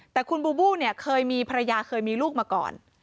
แต่คุณบูบูเนี่ยเคยมีภรรยาเคยมีลูกมาก่อน